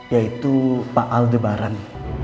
yaitu pak aldebaran